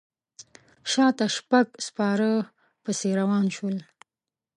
شاته شپږ سپاره پسې روان شول.